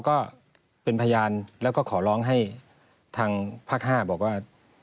ก็เป็นพยานแล้วก็ขอร้องให้ทางภาค๕บอกว่า